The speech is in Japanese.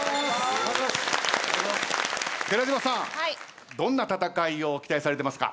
寺島さんどんな戦いを期待されてますか？